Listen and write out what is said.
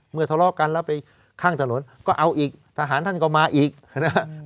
ทะเลาะกันแล้วไปข้างถนนก็เอาอีกทหารท่านก็มาอีกนะครับ